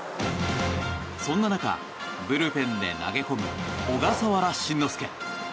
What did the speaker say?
そんな中、ブルペンで投げ込む小笠原慎之介。